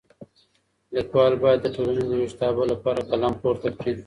ليکوال بايد د ټولني د ويښتابه لپاره قلم پورته کړي.